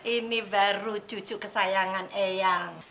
ini baru cucu kesayangan eyang